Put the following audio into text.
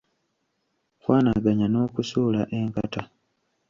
Kwanaganya n’okusuula enkata.